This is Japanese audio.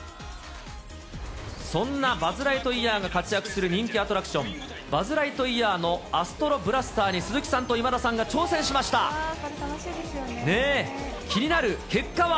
そんなバズ・ライトイヤーが活躍する人気アトラクション、バズ・ライトイヤーのアストロブラスターに鈴木さんと今田さんがこれ、楽しいですよね。